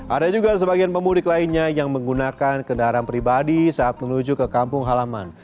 ada juga sebagian pemudik lainnya yang menggunakan kendaraan pribadi saat menuju ke kampung halaman